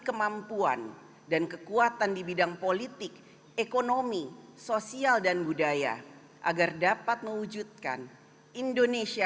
kemampuan dan kekuatan di bidang politik ekonomi sosial dan budaya agar dapat mewujudkan indonesia